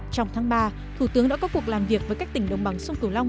trong tháng ba thủ tướng đã có cuộc làm việc với các tỉnh đồng bằng sông cửu long